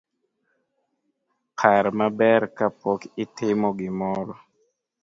Par maber kapok itimo gimoro